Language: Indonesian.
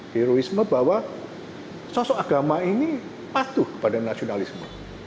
heroisme bahwa sosok agama ini patuh pada nasionalisme